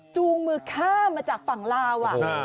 จูงมือข้ามมาจากฝั่งลาว